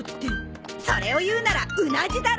それを言うなら「うなじ」だろ！